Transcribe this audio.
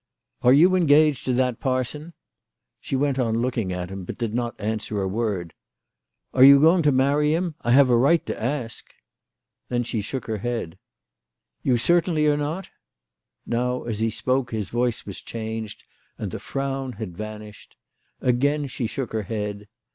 " Are you engaged to that parson ?" She went on looking at him, but did not answer a word. " Are you going to marry him ? I have a right to ask." Then she shook her head. " You certainly are not ?" Now as he spoke his voice was changed, and the frown had vanished. Again she shook her head.